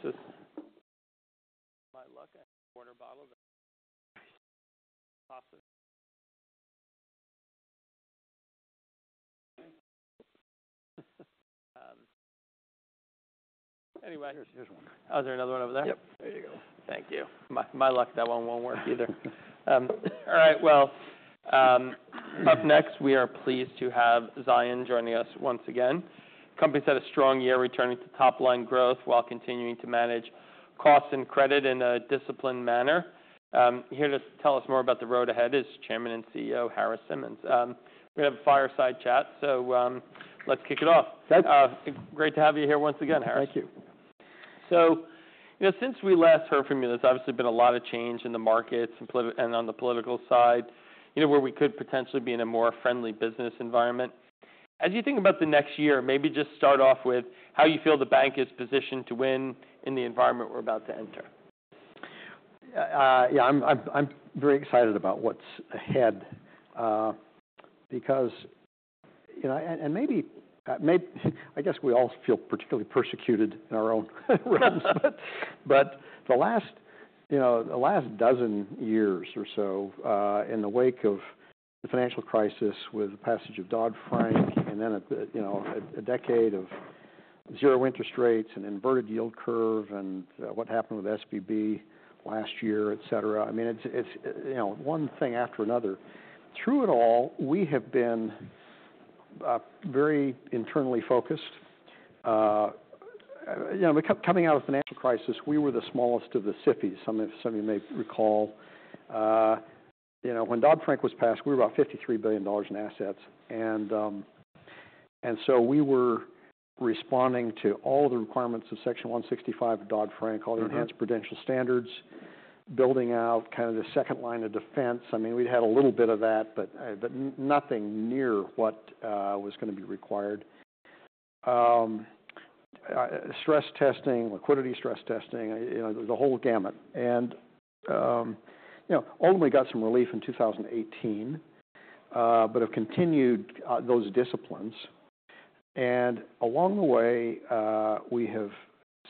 Thank you. My, my luck, that one won't work either. All right. Well, up next, we are pleased to have Zions joining us once again. Company's had a strong year returning to top-line growth while continuing to manage cost and credit in a disciplined manner. Here to tell us more about the road ahead is Chairman and CEO Harris Simmons. We're gonna have a fireside chat, so let's kick it off. Thanks. Great to have you here once again, Harris. Thank you. So, you know, since we last heard from you, there's obviously been a lot of change in the markets and on the political side, you know, where we could potentially be in a more friendly business environment. As you think about the next year, maybe just start off with how you feel the bank is positioned to win in the environment we're about to enter. Yeah, I'm very excited about what's ahead, because, you know, and maybe I guess we all feel particularly persecuted in our own realms. But the last dozen years or so, in the wake of the financial crisis with the passage of Dodd-Frank and then, you know, a decade of zero interest rates and inverted yield curve and what happened with SVB last year, etc. I mean, it's, you know, one thing after another. Through it all, we have been very internally focused. You know, we kept coming out of the financial crisis, we were the smallest of the SIFIs, some of you may recall. You know, when Dodd-Frank was passed, we were about $53 billion in assets. And so we were responding to all the requirements of Section 165 of Dodd-Frank, all the enhanced prudential standards, building out kind of the second line of defense. I mean, we'd had a little bit of that, but nothing near what was gonna be required. Stress testing, liquidity stress testing, you know, the whole gamut, and you know, ultimately got some relief in 2018, but have continued those disciplines, and along the way, we have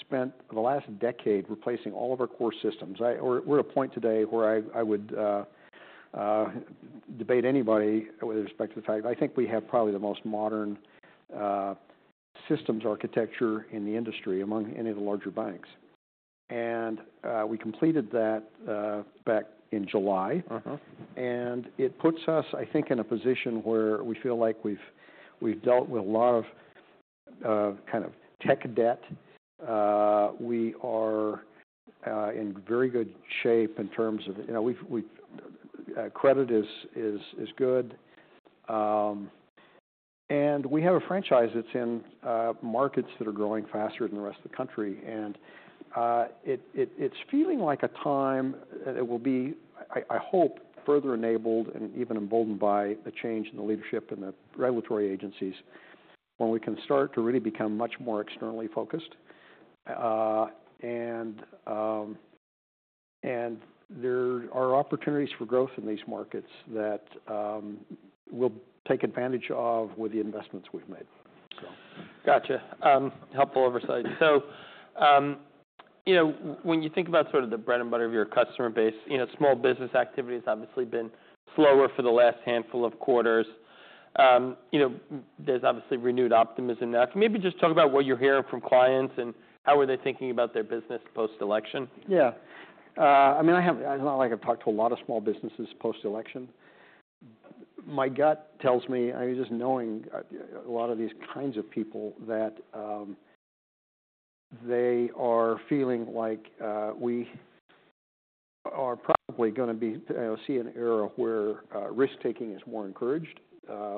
spent the last decade replacing all of our core systems. We're at a point today where I would debate anybody with respect to the fact I think we have probably the most modern systems architecture in the industry among any of the larger banks, and we completed that back in July. Mm-hmm. And it puts us, I think, in a position where we feel like we've dealt with a lot of kind of tech debt. We are in very good shape in terms of, you know, credit is good, and we have a franchise that's in markets that are growing faster than the rest of the country. And it's feeling like a time that it will be, I hope, further enabled and even emboldened by the change in the leadership and the regulatory agencies when we can start to really become much more externally focused, and there are opportunities for growth in these markets that we'll take advantage of with the investments we've made, so. Gotcha. Helpful oversight. So, you know, when you think about sort of the bread and butter of your customer base, you know, small business activity has obviously been slower for the last handful of quarters. You know, there's obviously renewed optimism now. Can you maybe just talk about what you're hearing from clients and how are they thinking about their business post-election? Yeah. I mean, I haven't. It's not like I've talked to a lot of small businesses post-election. My gut tells me. I mean, just knowing a lot of these kinds of people that they are feeling like we are probably gonna be, you know, see an era where risk-taking is more encouraged,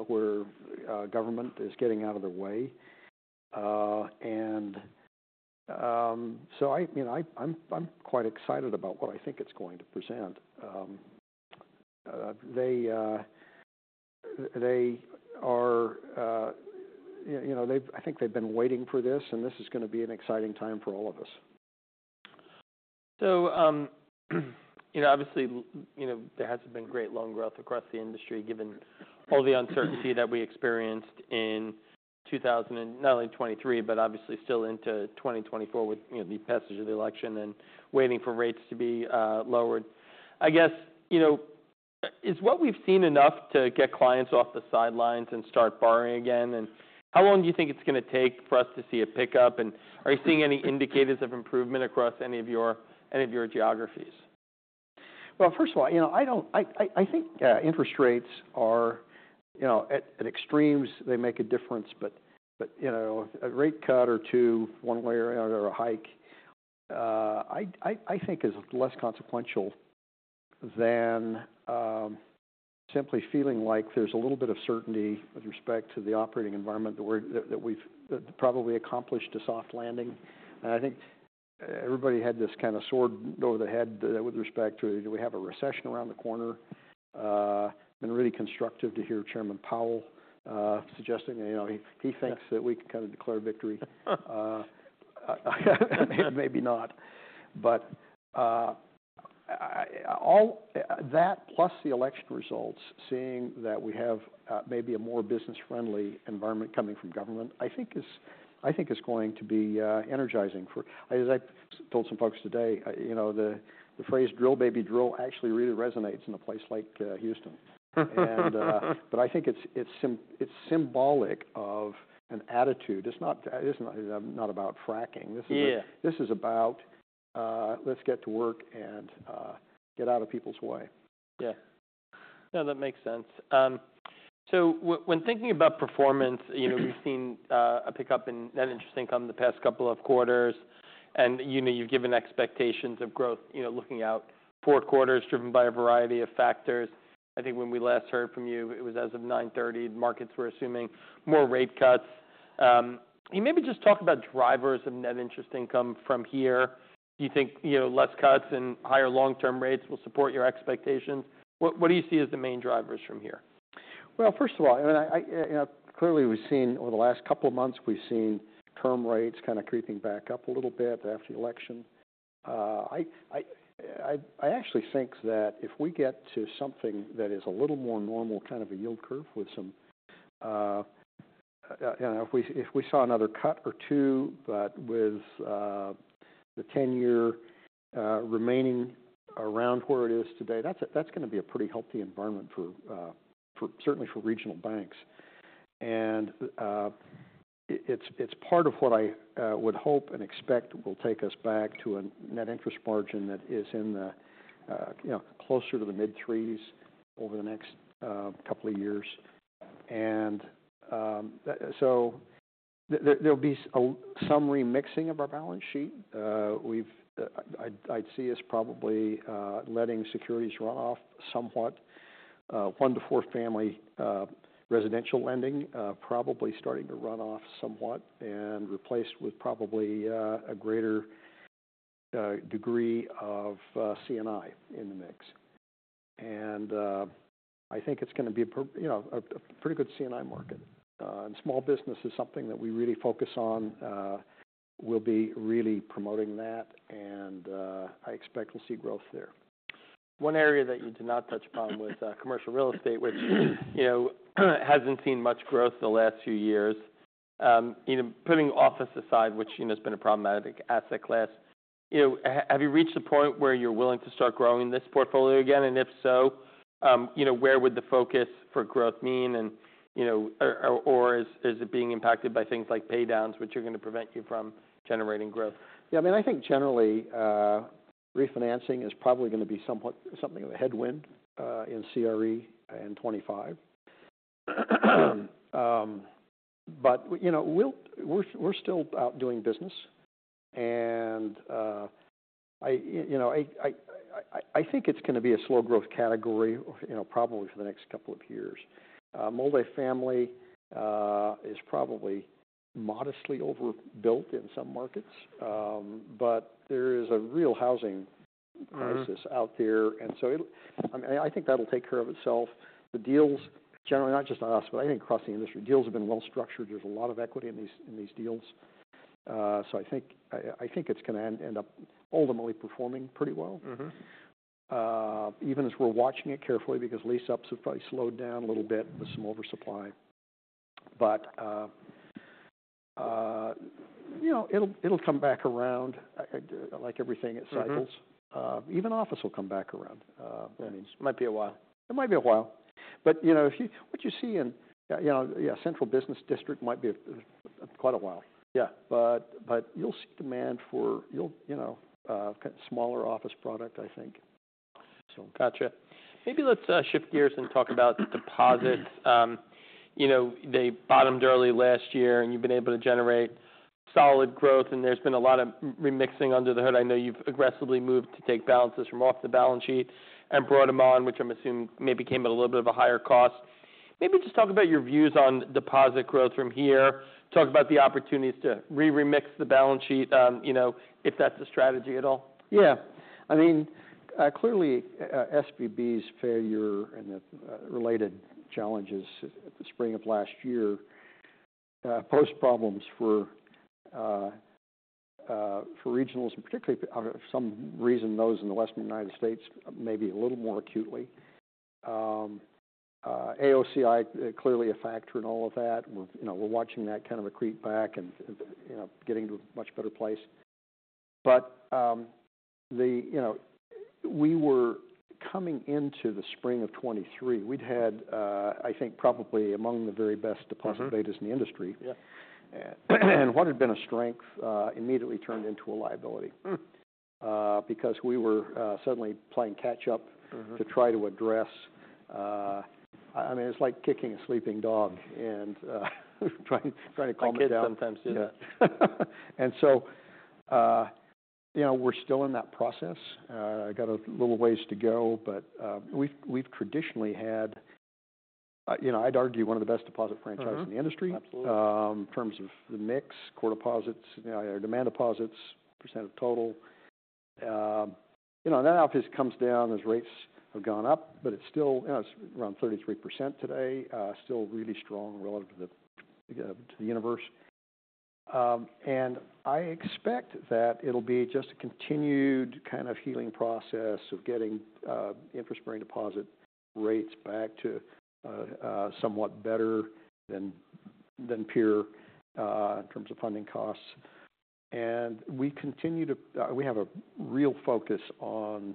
where government is getting out of their way. So I, you know, I'm quite excited about what I think it's going to present. They are, you know, they've been waiting for this. I think this is gonna be an exciting time for all of us. You know, obviously, you know, there hasn't been great loan growth across the industry given all the uncertainty that we experienced in 2023 and not only 2023 but obviously still into 2024 with, you know, the passage of the election and waiting for rates to be lowered. I guess, you know, is what we've seen enough to get clients off the sidelines and start borrowing again? And how long do you think it's gonna take for us to see a pickup? And are you seeing any indicators of improvement across any of your geographies? Well, first of all, you know, I don't think interest rates are, you know, at extremes; they make a difference. But, you know, a rate cut or two, one way or another, or a hike, I think is less consequential than simply feeling like there's a little bit of certainty with respect to the operating environment that we've probably accomplished a soft landing. And I think everybody had this kind of sword over their head with respect to, do we have a recession around the corner? It's been really constructive to hear Chairman Powell suggesting, you know, he thinks that we can kind of declare victory. Maybe not. But all that plus the election results, seeing that we have maybe a more business-friendly environment coming from government, I think is going to be energizing for as I told some folks today, you know, the phrase "drill, baby, drill" actually really resonates in a place like Houston. Mm-hmm. But I think it's symbolic of an attitude. It's not, it isn't about fracking. This is a. Yeah. This is about, let's get to work and get out of people's way. Yeah. No, that makes sense. So when thinking about performance, you know, we've seen a pickup in net interest income the past couple of quarters. And you know, you've given expectations of growth, you know, looking out four quarters driven by a variety of factors. I think when we last heard from you, it was as of 9:30 A.M., markets were assuming more rate cuts. Can you maybe just talk about drivers of net interest income from here? Do you think, you know, less cuts and higher long-term rates will support your expectations? What do you see as the main drivers from here? First of all, I mean, you know, clearly we've seen over the last couple of months, we've seen term rates kind of creeping back up a little bit after the election. I actually think that if we get to something that is a little more normal, kind of a yield curve with some, you know, if we saw another cut or two, but with the 10-year remaining around where it is today, that's gonna be a pretty healthy environment, certainly for regional banks. It's part of what I would hope and expect will take us back to a net interest margin that is, you know, closer to the mid-threes over the next couple of years. So there'll be some remixing of our balance sheet. We've, I'd see us probably letting securities run off somewhat, one-to-four family residential lending probably starting to run off somewhat and replaced with probably a greater degree of C&I in the mix. I think it's gonna be a pretty, you know, a pretty good C&I market. Small business is something that we really focus on. We'll be really promoting that. I expect we'll see growth there. One area that you did not touch upon, with commercial real estate, which, you know, hasn't seen much growth the last few years. You know, putting office aside, which, you know, has been a problematic asset class, you know, have you reached the point where you're willing to start growing this portfolio again? And if so, you know, where would the focus for growth mean? And, you know, or is it being impacted by things like paydowns, which are gonna prevent you from generating growth? Yeah. I mean, I think generally, refinancing is probably gonna be somewhat of a headwind in CRE in 2025. But, you know, we're still out doing business. And I, you know, I think it's gonna be a slow growth category, you know, probably for the next couple of years. Multifamily is probably modestly overbuilt in some markets. But there is a real housing crisis out there. And so it, I mean, I think that'll take care of itself. The deals, generally, not just us, but I think across the industry, deals have been well-structured. There's a lot of equity in these deals. So I think it's gonna end up ultimately performing pretty well. Mm-hmm. Even as we're watching it carefully because lease-ups have probably slowed down a little bit with some oversupply. But, you know, it'll come back around. I'd like everything, it cycles. Mm-hmm. Even office will come back around. I mean. It might be a while. It might be a while, but you know, if what you see in the Central Business District might be quite a while. Yeah. But you'll see demand for, you know, kind of smaller office product, I think, so. Gotcha. Maybe let's shift gears and talk about deposits. You know, they bottomed early last year, and you've been able to generate solid growth. And there's been a lot of remixing under the hood. I know you've aggressively moved to take balances from off the balance sheet and brought them on, which I'm assuming maybe came at a little bit of a higher cost. Maybe just talk about your views on deposit growth from here. Talk about the opportunities to re-remix the balance sheet, you know, if that's a strategy at all. Yeah. I mean, clearly, SVB's failure and the related challenges at the spring of last year, post-problems for regionals, and particularly for some reason, those in the Western United States maybe a little more acutely. AOCI, clearly a factor in all of that. We're, you know, we're watching that kind of a creep back and, you know, getting to a much better place. But, the, you know, we were coming into the spring of 2023, we'd had, I think probably among the very best deposit rates in the industry. Mm-hmm. Yeah. What had been a strength immediately turned into a liability. Because we were suddenly playing catch-up. Mm-hmm. To try to address, I mean, it's like kicking a sleeping dog and trying to calm it down. Kick it sometimes, yeah. Yeah. So, you know, we're still in that process. I've got a little ways to go. But we've traditionally had, you know, I'd argue one of the best deposit franchises in the industry. Absolutely. In terms of the mix, core deposits, you know, or demand deposits percent of total. You know, and that obviously comes down as rates have gone up, but it's still, you know, it's around 33% today, still really strong relative to the universe. I expect that it'll be just a continued kind of healing process of getting interest-bearing deposit rates back to somewhat better than peer, in terms of funding costs. We continue to, we have a real focus on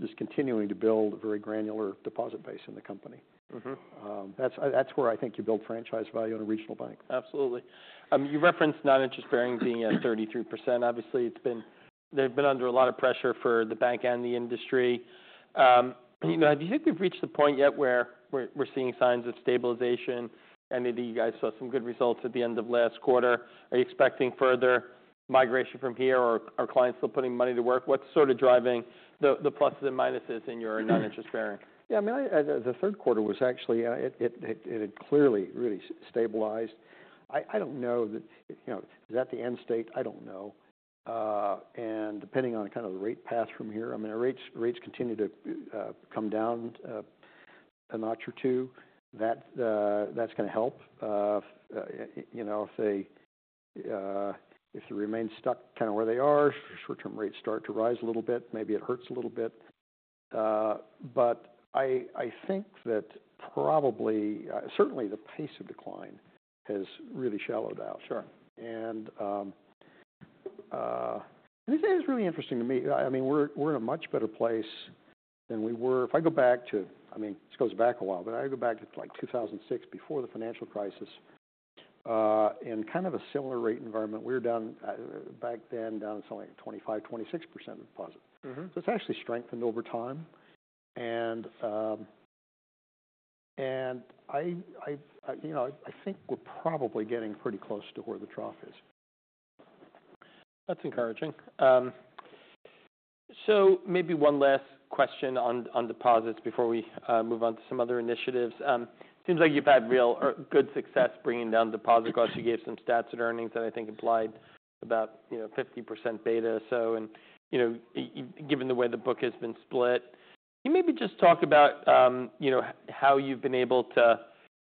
just continuing to build a very granular deposit base in the company. Mm-hmm. That's where I think you build franchise value in a regional bank. Absolutely. You referenced net interest margin being at 33%. Obviously, it's been under a lot of pressure for the bank and the industry. You know, do you think we've reached the point yet where we're seeing signs of stabilization? I know that you guys saw some good results at the end of last quarter. Are you expecting further migration from here or are clients still putting money to work? What's sort of driving the pluses and minuses in your net interest margin? Yeah. I mean, the third quarter was actually it had clearly really stabilized. I don't know that, you know, is that the end state? I don't know. And depending on kind of the rate path from here, I mean, our rates continue to come down a notch or two. That's gonna help. You know, if they remain stuck kind of where they are, short-term rates start to rise a little bit, maybe it hurts a little bit. But I think that probably, certainly the pace of decline has really shallowed out. Sure. This is really interesting to me. I mean, we're in a much better place than we were. If I go back to, I mean, this goes back a while, but I go back to like 2006 before the financial crisis, in kind of a similar rate environment, we were down back then to something like 25%-26% of deposit. Mm-hmm. So it's actually strengthened over time. And I, you know, I think we're probably getting pretty close to where the trough is. That's encouraging. So maybe one last question on deposits before we move on to some other initiatives. It seems like you've had real or good success bringing down deposit costs. You gave some stats at earnings that I think implied about, you know, 50% beta or so. And, you know, given the way the book has been split, can you maybe just talk about, you know, how you've been able to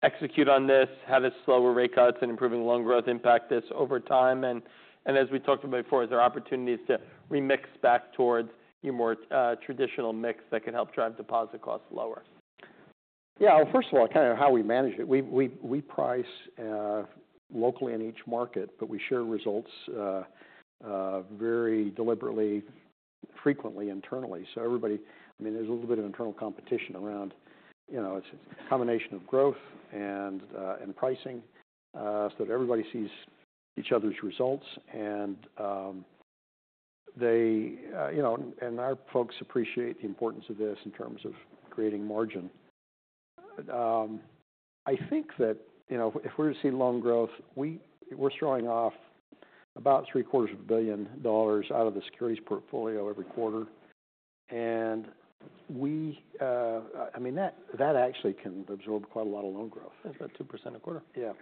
execute on this, how the slower rate cuts and improving loan growth impact this over time? And as we talked about before, is there opportunities to remix back towards your more, traditional mix that could help drive deposit costs lower? Yeah. Well, first of all, kind of how we manage it. We price locally in each market, but we share results very deliberately, frequently internally. So everybody, I mean, there's a little bit of internal competition around, you know, it's a combination of growth and pricing, so that everybody sees each other's results. And they, you know, and our folks appreciate the importance of this in terms of creating margin. I think that, you know, if we're to see loan growth, we're throwing off about $750 million out of the securities portfolio every quarter. And we, I mean, that actually can absorb quite a lot of loan growth. That's about 2% a quarter. Yeah.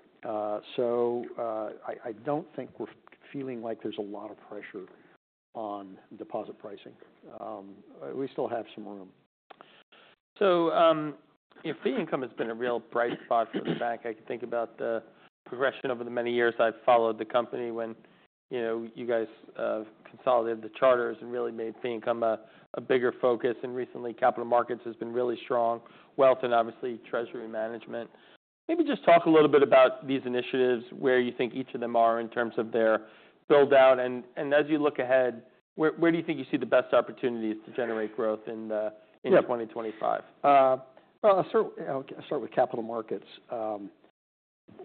So, I don't think we're feeling like there's a lot of pressure on deposit pricing. We still have some room. So, you know, fee income has been a real bright spot for the bank. I can think about the progression over the many years I've followed the company when, you know, you guys, consolidated the charters and really made fee income a bigger focus. And recently, Capital Markets has been really strong, wealth, and obviously treasury management. Maybe just talk a little bit about these initiatives, where you think each of them are in terms of their build-out. And as you look ahead, where do you think you see the best opportunities to generate growth in 2025? Yeah. I'll start with Capital Markets.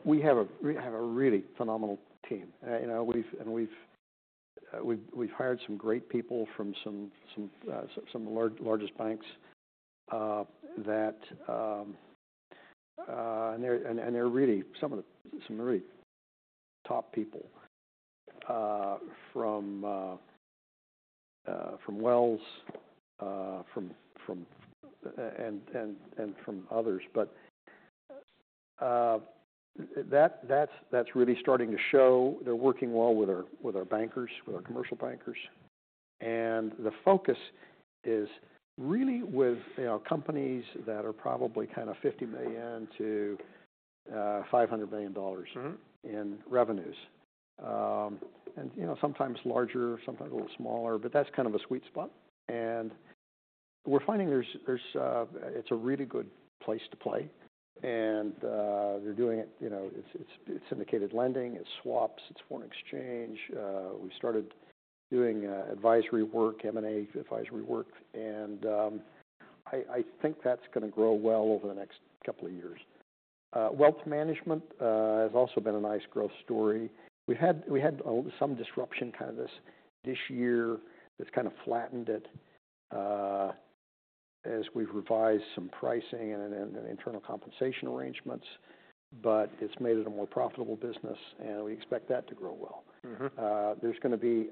We have a really phenomenal team. You know, we've hired some great people from some of the largest banks, and they're really some of the really top people, from Wells, from others. But that's really starting to show. They're working well with our bankers, with our commercial bankers. And the focus is really with, you know, companies that are probably kind of $50 million-$500 million. Mm-hmm. In revenues, and you know, sometimes larger, sometimes a little smaller, but that's kind of a sweet spot. And we're finding there's, it's a really good place to play. And they're doing it, you know, it's syndicated lending. It's swaps. It's foreign exchange. We started doing advisory work, M&A advisory work. And I think that's gonna grow well over the next couple of years. Wealth management has also been a nice growth story. We've had a little some disruption kind of this year. It's kind of flattened it, as we've revised some pricing and internal compensation arrangements. But it's made it a more profitable business, and we expect that to grow well. Mm-hmm. There's gonna be.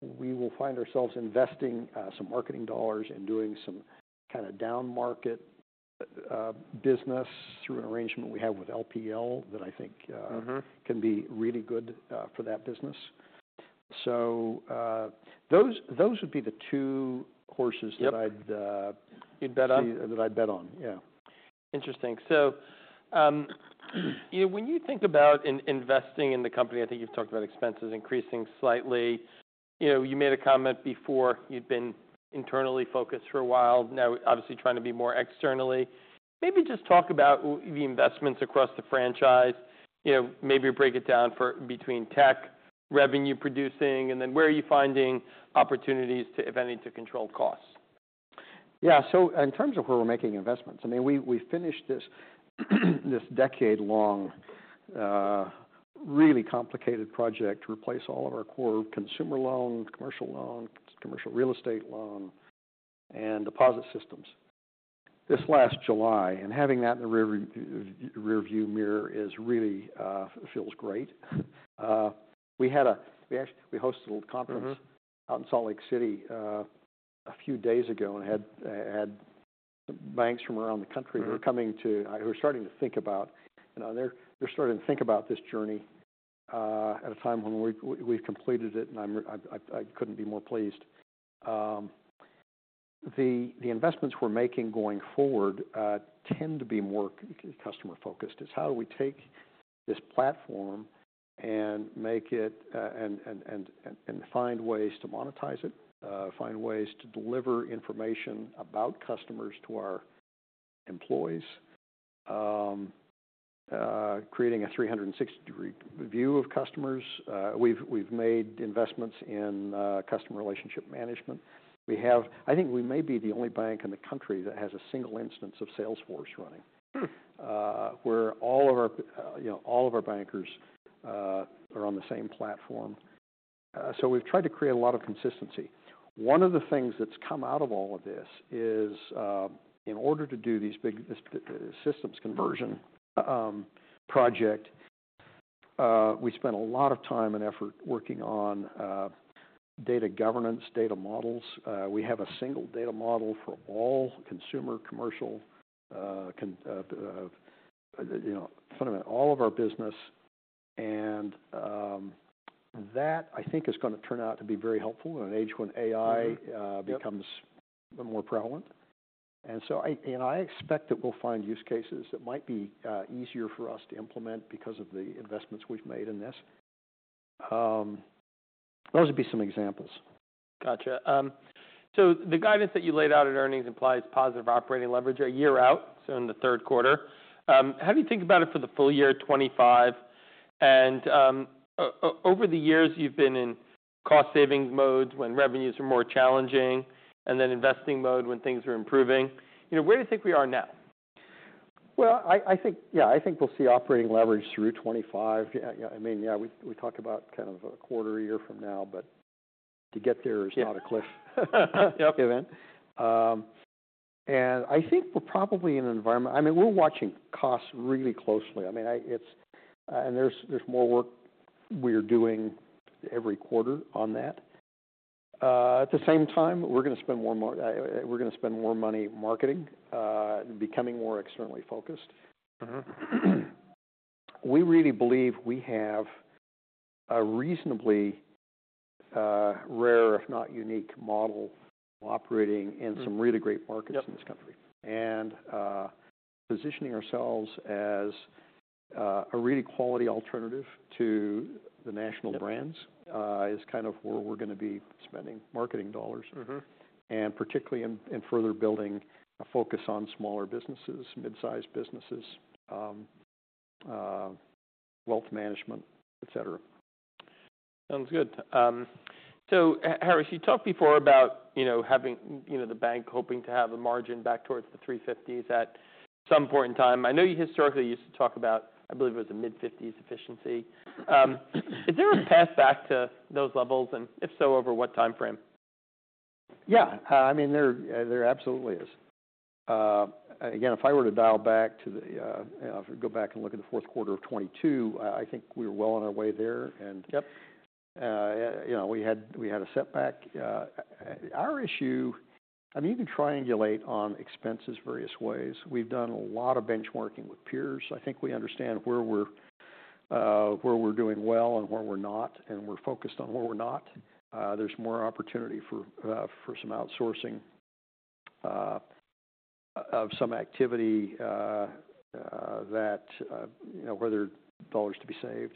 We will find ourselves investing some marketing dollars and doing some kind of down-market business through an arrangement we have with LPL that I think. Mm-hmm. Can be really good for that business. So, those would be the two horses that I'd, You'd bet on? That I'd bet on. Yeah. Interesting. So, you know, when you think about investing in the company, I think you've talked about expenses increasing slightly. You know, you made a comment before you'd been internally focused for a while. Now, obviously trying to be more externally. Maybe just talk about the investments across the franchise. You know, maybe break it down for between tech, revenue-producing, and then where are you finding opportunities to, if any, to control costs? Yeah. So in terms of where we're making investments, I mean, we finished this decade-long, really complicated project to replace all of our core consumer loan, commercial loan, commercial real estate loan, and deposit systems this last July. And having that in the rearview mirror really feels great. We actually hosted a little conference. Mm-hmm. Out in Salt Lake City, a few days ago and had some banks from around the country who were starting to think about, you know, they're starting to think about this journey, at a time when we've completed it. I couldn't be more pleased. The investments we're making going forward tend to be more customer-focused. It's how do we take this platform and make it and find ways to monetize it, find ways to deliver information about customers to our employees, creating a 360-degree view of customers. We've made investments in customer relationship management. We have, I think we may be the only bank in the country that has a single instance of Salesforce running, where all of our, you know, all of our bankers are on the same platform. So we've tried to create a lot of consistency. One of the things that's come out of all of this is in order to do this systems conversion project, we spent a lot of time and effort working on data governance, data models. We have a single data model for all consumer, commercial, C&I, you know, fundamental, all of our business, and that I think is gonna turn out to be very helpful in an age when AI becomes more prevalent, and so I, you know, I expect that we'll find use cases that might be easier for us to implement because of the investments we've made in this. Those would be some examples. Gotcha. So the guidance that you laid out in earnings implies positive operating leverage a year out, so in the third quarter. How do you think about it for the full year 2025? And over the years, you've been in cost-saving mode when revenues were more challenging and then investing mode when things were improving. You know, where do you think we are now? I think we'll see operating leverage through 2025. Yeah, I mean, we talk about kind of a quarter year from now, but to get there is not a cliff. Yep. And I think we're probably in an environment. I mean, we're watching costs really closely. I mean, it's, and there's more work we are doing every quarter on that. At the same time, we're gonna spend more money marketing, becoming more externally focused. Mm-hmm. We really believe we have a reasonably rare, if not unique, model operating in some really great markets in this country. Yep. Positioning ourselves as a really quality alternative to the national brands. Mm-hmm. is kind of where we're gonna be spending marketing dollars. Mm-hmm. Particularly in further building a focus on smaller businesses, mid-sized businesses, wealth management, etc. Sounds good. So, Harris, you talked before about, you know, having, you know, the bank hoping to have a margin back towards the 350s at some point in time. I know you historically used to talk about, I believe it was the mid-50s efficiency. Is there a path back to those levels, and if so, over what time frame? Yeah. I mean, there, there absolutely is. Again, if I were to dial back to the, you know, if we go back and look at the fourth quarter of 2022, I, I think we were well on our way there. And. Yep. You know, we had a setback. Our issue, I mean, you can triangulate on expenses various ways. We've done a lot of benchmarking with peers. I think we understand where we're doing well and where we're not, and we're focused on where we're not. There's more opportunity for some outsourcing of some activity, that you know, whether dollars to be saved.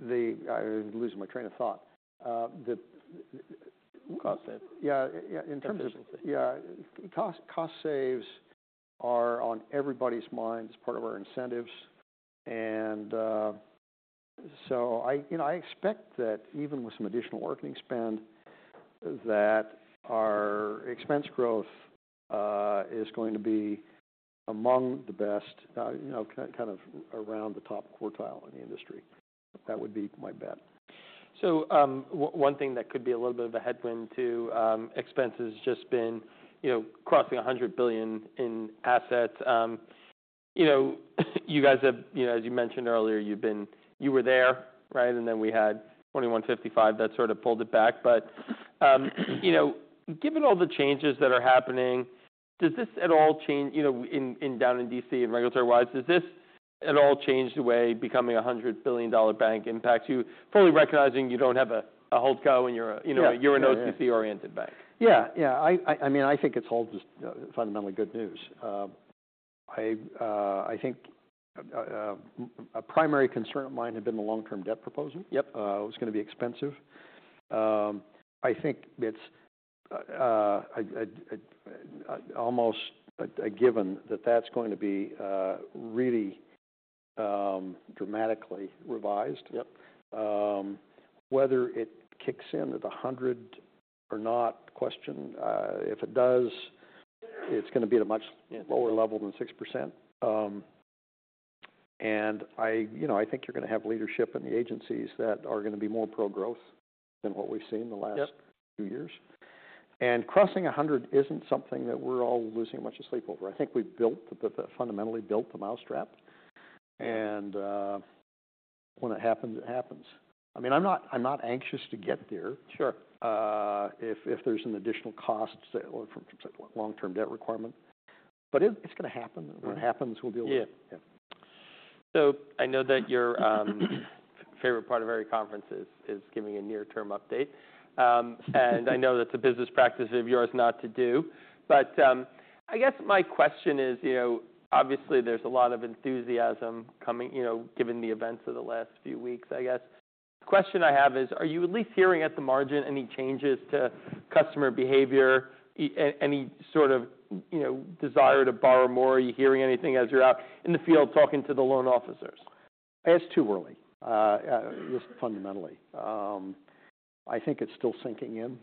I'm losing my train of thought. Cost save. Yeah. Yeah. In terms of. Cost save. Yeah. Cost, cost saves are on everybody's mind as part of our incentives. And, so I, you know, I expect that even with some additional working spend, that our expense growth is going to be among the best, you know, kind of around the top quartile in the industry. That would be my bet. One thing that could be a little bit of a headwind to expenses, just been, you know, crossing $100 billion in assets. You know, you guys have, you know, as you mentioned earlier, you've been, you were there, right? And then we had 2155 that sort of pulled it back. But, you know, given all the changes that are happening, does this at all change? You know, in, in down in D.C. and regulatory-wise, does this at all change the way becoming a $100 billion bank impacts you, fully recognizing you don't have a, a hold co and you're a, you know, you're an OCC-oriented bank? Yeah. Yeah. I mean, I think it's all just fundamentally good news. I think a primary concern of mine had been the long-term debt proposal. Yep. It was gonna be expensive. I think it's almost a given that that's going to be really dramatically revised. Yep. Whether it kicks in at 100 or not, question. If it does, it's gonna be at a much lower level than 6%, and I, you know, I think you're gonna have leadership in the agencies that are gonna be more pro-growth than what we've seen the last. Yep. Few years. And crossing 100 isn't something that we're all losing a bunch of sleep over. I think we've built the fundamentally built the mousetrap. And when it happens, it happens. I mean, I'm not anxious to get there. Sure. If there's an additional cost, or from, say, long-term debt requirement. But it's gonna happen. Yeah. When it happens, we'll be able to. Yeah. Yeah. So I know that your favorite part of every conference is giving a near-term update. And I know that's a business practice of yours not to do. But I guess my question is, you know, obviously there's a lot of enthusiasm coming, you know, given the events of the last few weeks, I guess. The question I have is, are you at least hearing at the margin any changes to customer behavior, any sort of, you know, desire to borrow more? Are you hearing anything as you're out in the field talking to the loan officers? It's too early, just fundamentally. I think it's still sinking in,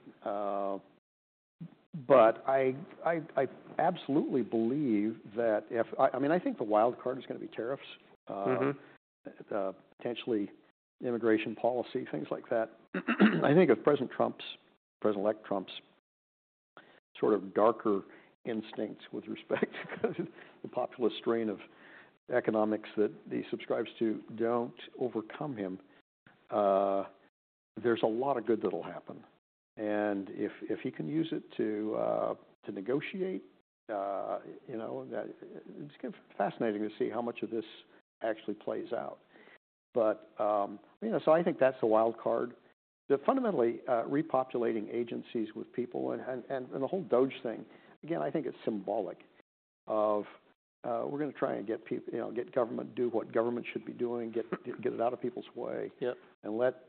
but I absolutely believe that. I mean, I think the wild card is gonna be tariffs. Mm-hmm. potentially immigration policy, things like that. I think if President Trump's, President-elect Trump's sort of darker instincts with respect to the populist strain of economics that he subscribes to don't overcome him, there's a lot of good that'll happen. And if he can use it to negotiate, you know, that it's gonna be fascinating to see how much of this actually plays out. But, you know, so I think that's the wild card. Then, fundamentally, repopulating agencies with people and the whole DOGE thing, again, I think it's symbolic of, we're gonna try and get people, you know, get government to do what government should be doing, get it out of people's way. Yep. And let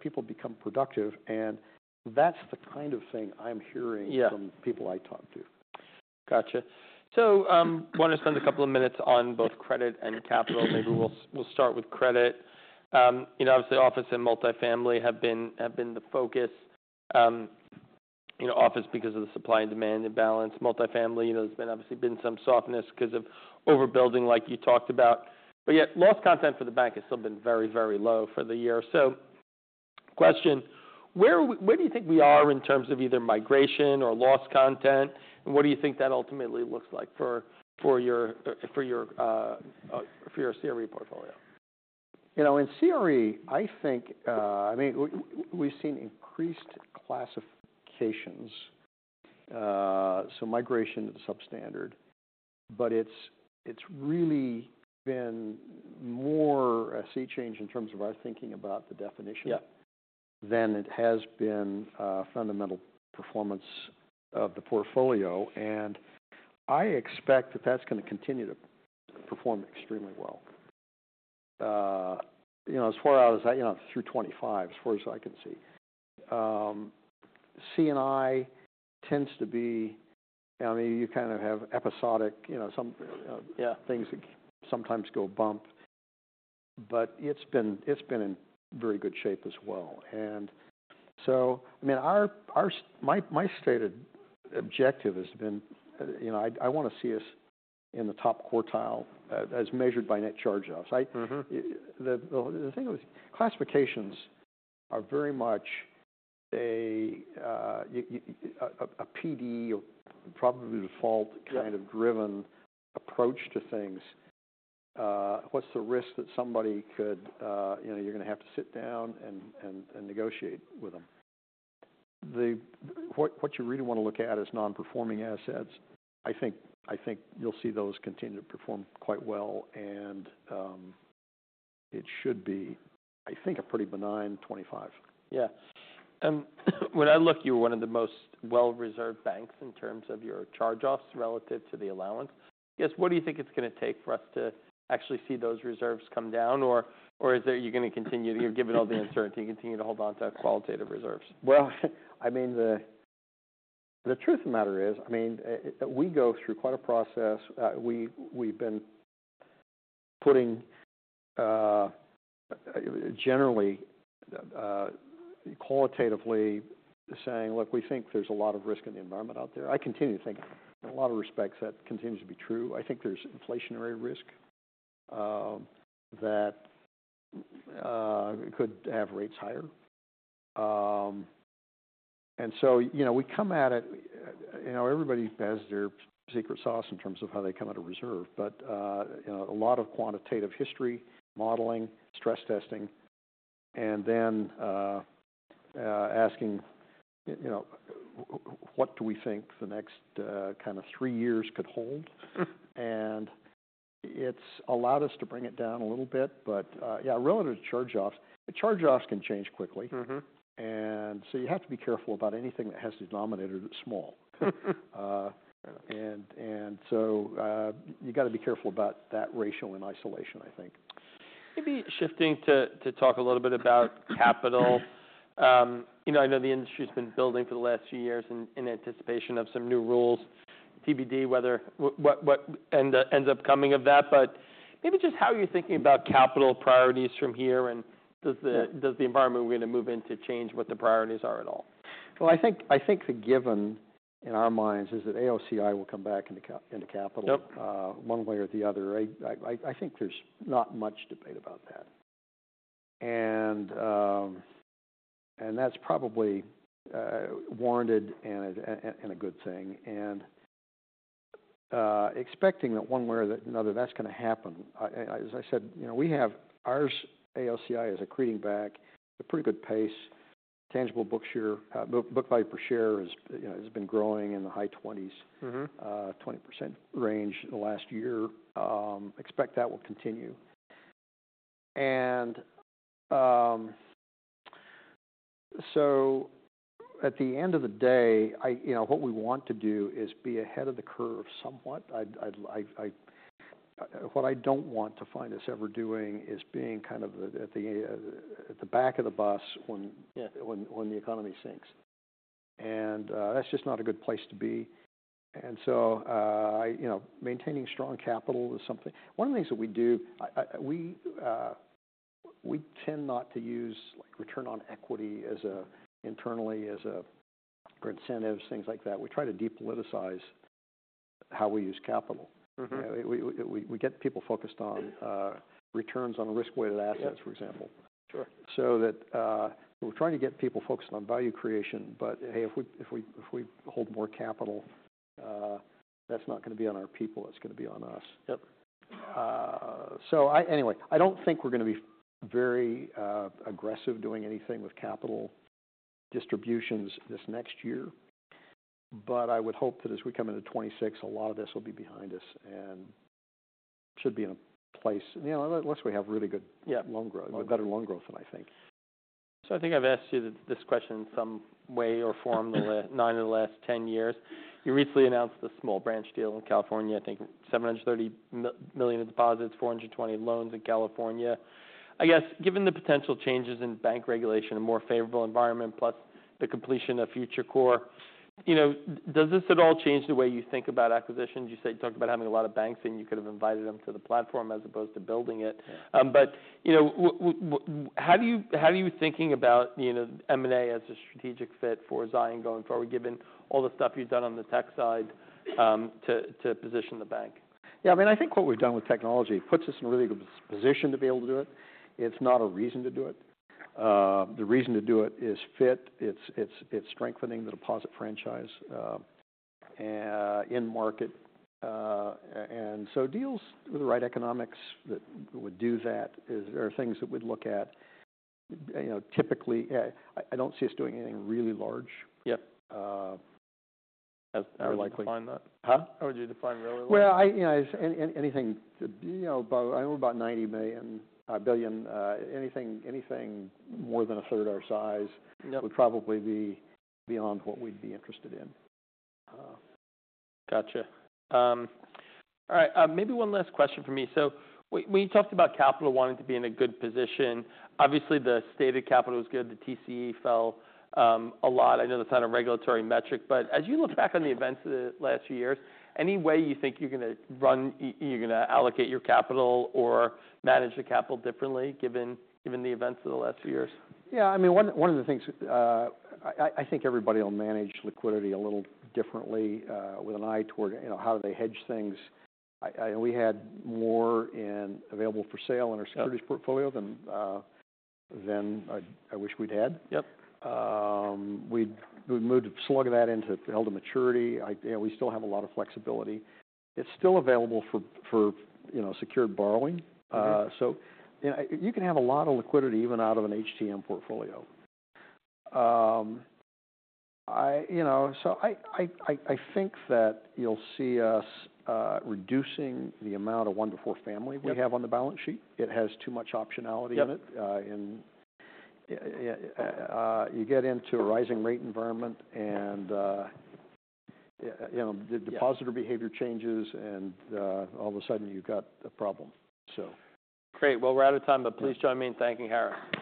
people become productive. And that's the kind of thing I'm hearing. Yeah. From people I talk to. Gotcha. So, wanna spend a couple of minutes on both credit and capital. Maybe we'll start with credit. You know, obviously office and multifamily have been the focus. You know, office because of the supply and demand imbalance. Multifamily, you know, there's been some softness 'cause of overbuilding like you talked about. But yeah, loss content for the bank has still been very, very low for the year. So question, where are we? Where do you think we are in terms of either migration or loss content? And what do you think that ultimately looks like for your CRE portfolio? You know, in CRE, I think, I mean, we've seen increased classifications, so migration is a substandard. But it's really been more a sea change in terms of our thinking about the definition. Yeah. than it has been, fundamental performance of the portfolio, and I expect that that's gonna continue to perform extremely well. You know, as far out as I, you know, through 2025, as far as I can see. C&I tends to be, I mean, you kind of have episodic, you know, some, Yeah. Things that sometimes go bump, but it's been in very good shape as well. So I mean, our my stated objective has been, you know, I wanna see us in the top quartile, as measured by net charge-offs. Mm-hmm. The thing is classifications are very much a PD or probability of default kind of driven. Yeah. Approach to things. What's the risk that somebody could, you know, you're gonna have to sit down and negotiate with them? What you really wanna look at is non-performing assets. I think you'll see those continue to perform quite well, and it should be, I think, a pretty benign 2025. Yeah. When I look, you were one of the most well-reserved banks in terms of your charge-offs relative to the allowance. I guess, what do you think it's gonna take for us to actually see those reserves come down? Or, or is that you're gonna continue to, given all the uncertainty, continue to hold on to qualitative reserves? I mean, the truth of the matter is, I mean, we go through quite a process. We've been putting, generally, qualitatively saying, "Look, we think there's a lot of risk in the environment out there." I continue to think, in a lot of respects, that continues to be true. I think there's inflationary risk that could have rates higher. So, you know, we come at it, you know, everybody has their secret sauce in terms of how they come at a reserve. But, you know, a lot of quantitative history, modeling, stress testing, and then, asking, you know, what do we think the next, kind of three years could hold? And it's allowed us to bring it down a little bit. But, yeah, relative to charge-offs, charge-offs can change quickly. Mm-hmm. And so you have to be careful about anything that has denominators that are small. Fair enough. You gotta be careful about that ratio in isolation, I think. Maybe shifting to talk a little bit about capital. You know, I know the industry's been building for the last few years in anticipation of some new rules. TBD whether what ends up coming of that. But maybe just how are you thinking about capital priorities from here? And does the environment we're gonna move into change what the priorities are at all? I think the given in our minds is that AOCI will come back into capital. Yep. One way or the other. I think there's not much debate about that. And that's probably warranted and a good thing. Expecting that one way or another, that's gonna happen. As I said, you know, we have ours. AOCI is accreting back at a pretty good pace. Tangible book value per share has, you know, been growing in the high 20s. Mm-hmm. 20% range the last year. Expect that will continue. So at the end of the day, you know, what we want to do is be ahead of the curve somewhat. What I don't want to find us ever doing is being kind of at the back of the bus when. Yeah. When the economy sinks, and that's just not a good place to be. So, you know, maintaining strong capital is something, one of the things that we do. We tend not to use return on equity as an internal for incentives, things like that. We try to depoliticize how we use capital. Mm-hmm. You know, we get people focused on returns on risk-weighted assets, for example. Sure. So that, we're trying to get people focused on value creation. But hey, if we hold more capital, that's not gonna be on our people. It's gonna be on us. Yep. So I, anyway, I don't think we're gonna be very aggressive doing anything with capital distributions this next year. But I would hope that as we come into 2026, a lot of this will be behind us and should be in a place, you know, unless we have really good. Yeah. Loan growth, a better loan growth than I think. I think I've asked you this question in some way or form. Mm-hmm. The last nine of the last 10 years. You recently announced the small branch deal in California, I think $730 million in deposits, $420 million in loans in California. I guess, given the potential changes in bank regulation, a more favorable environment, plus the completion of FutureCore, you know, does this at all change the way you think about acquisitions? You said you talked about having a lot of banks and you could have invited them to the platform as opposed to building it. Yeah. You know, how do you, how are you thinking about, you know, M&A as a strategic fit for Zions going forward, given all the stuff you've done on the tech side, to position the bank? Yeah. I mean, I think what we've done with technology puts us in a really good position to be able to do it. It's not a reason to do it. The reason to do it is fit. It's strengthening the deposit franchise in market. And so deals with the right economics that would do that. There are things that we'd look at. You know, typically, I don't see us doing anything really large. Yep. as, as. How would you define that? Huh? How would you define really large? You know, it's anything, you know, about 90 billion, anything more than a third of our size. Yep. Would probably be beyond what we'd be interested in. Gotcha. All right. Maybe one last question for me. So when you talked about capital wanting to be in a good position, obviously the stated capital was good. The TCE fell a lot. I know that's not a regulatory metric. But as you look back on the events of the last few years, any way you think you're gonna run, you're gonna allocate your capital or manage the capital differently given the events of the last few years? Yeah. I mean, one of the things, I think everybody'll manage liquidity a little differently, with an eye toward, you know, how do they hedge things. I know we had more in available for sale in our securities portfolio than I wish we'd had. Yep. We'd moved to slug that into held-to-maturity. I, you know, we still have a lot of flexibility. It's still available for, you know, secured borrowing. Okay. You know, you can have a lot of liquidity even out of an HTM portfolio. You know, so I think that you'll see us reducing the amount of one-to-four family we have on the balance sheet. Yep. It has too much optionality in it. Yep. in, you get into a rising rate environment and, you know, the depositor behavior changes and, all of a sudden you've got a problem, so. Great. Well, we're out of time. Thank you. But please join me in thanking Harris.